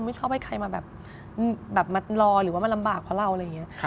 ไม่ชอบให้ใครมาแบบมารอหรือว่ามาลำบากเพราะเราอะไรอย่างนี้